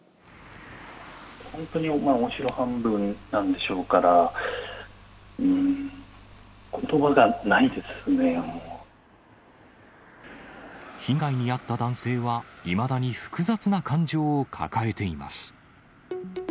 本当におもしろ半分なんでしょうから、被害に遭った男性は、いまだに複雑な感情を抱えています。